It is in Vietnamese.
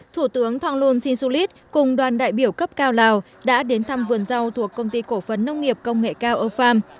thủ tướng thonglun sinsulit cùng đoàn đại biểu cấp cao lào đã đến thăm vườn rau thuộc công ty cổ phấn nông nghiệp công nghệ cao âu pham